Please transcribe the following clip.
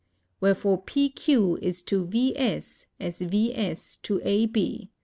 Wherefore PQ is to VS as VS to AB. W.